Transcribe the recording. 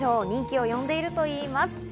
人気をよんでいるといいます。